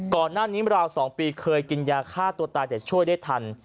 ก่อนหน้านี้ราวสองปีเคยกินยาฆ่าตัวตายแต่ช่วยได้ทัน